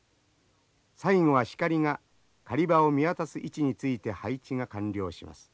最後はシカリが狩り場を見渡す位置について配置が完了します。